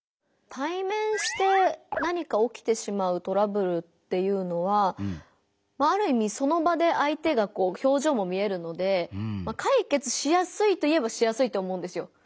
対面して何か起きてしまうトラブルっていうのはまあある意味その場で相手がこう表情も見えるので解決しやすいといえばしやすいと思うんですよ。